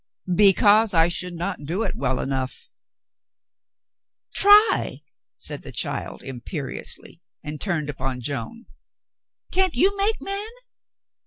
"Because I should not do it well enough." 58 COLONEL GREATHEART "Try," said the child imperiously, and turned upon Joan. "Can't you make men